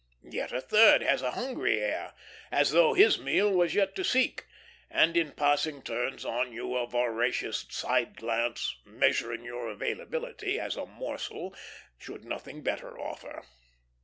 Yet a third has a hungry air, as though his meal was yet to seek, and in passing turns on you a voracious side glance, measuring your availability as a morsel, should nothing better offer.